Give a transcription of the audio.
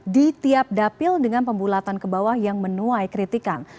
di tiap dapil dengan pembulatan ke bawah yang menuai kritikan